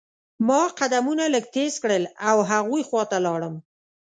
ما قدمونه لږ تیز کړل او هغوی خوا ته لاړم.